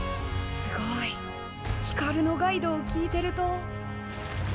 すごいひかるのガイドを聞いてると。